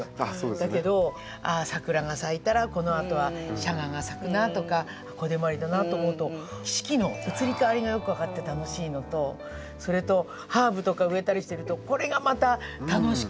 だけどああ桜が咲いたらこのあとはシャガが咲くなあとかコデマリだなあと思うと四季の移り変わりがよく分かって楽しいのとそれとハーブとか植えたりしてるとこれがまた楽しくて。